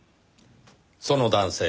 その男性